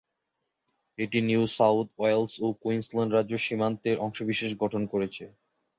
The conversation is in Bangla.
এটি নিউ সাউথ ওয়েলস ও কুইন্সল্যান্ড রাজ্যের সীমান্তের অংশবিশেষ গঠন করেছে।